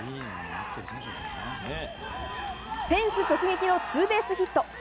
フェンス直撃のツーベースヒット。